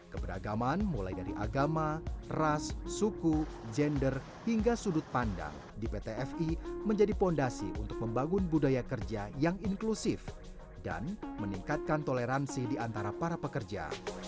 keberagaman mulai dari agama ras suku gender hingga sudut pandang di pt fi menjadi fondasi untuk membangun budaya kerja yang inklusif dan meningkatkan toleransi di antara para pekerja